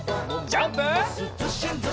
ジャンプ！